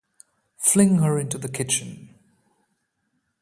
Fling her into the kitchen!